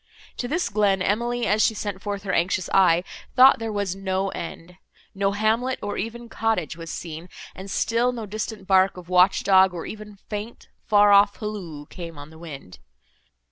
To this glen, Emily, as she sent forth her anxious eye, thought there was no end; no hamlet, or even cottage, was seen, and still no distant bark of watch dog, or even faint, far off halloo came on the wind.